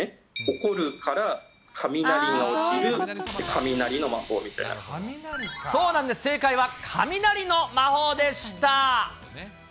怒るから雷が落ちる、雷の魔法みそうなんです、正解は雷の魔法でした。